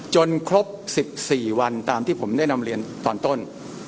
ครบ๑๔วันตามที่ผมได้นำเรียนตอนต้น